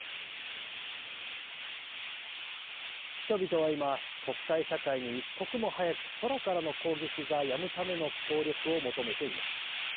人々は今、国際社会に一刻も早く空からの攻撃がやむための協力を求めています。